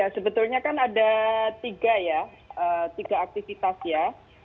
sebetulnya kan ada tiga ya tiga aktivitas ya